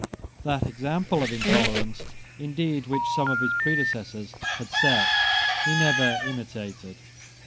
That example of intolerance indeed which some of his predecessors had set he never imitated.